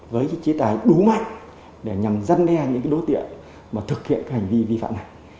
với những trí tài đúng mạnh để nhằm răn đe những đối tiện mà thực hiện hành vi vi phạm này